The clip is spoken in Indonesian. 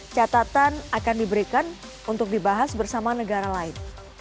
catatan akan diberikan untuk dibahas bersama negara lain